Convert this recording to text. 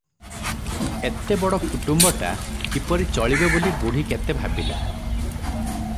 ଏତେବଡ଼ କୁଟୁମ୍ବଟା- କିପରି ଚଳିବେ ବୋଲି ବୁଢ଼ୀ କେତେ ଭାବିଲେ ।